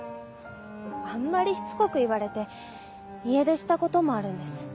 あんまりしつこく言われて家出したこともあるんです。